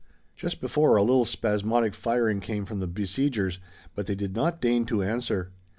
Just before, a little spasmodic firing came from the besiegers, but they did not deign to answer.